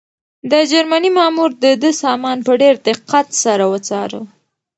د جرمني مامور د ده سامان په ډېر دقت سره وڅاره.